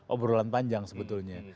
obrolan panjang sebetulnya